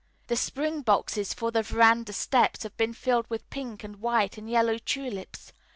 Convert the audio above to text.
The spring boxes for the verandah steps have been filled with pink and white and yellow tulips.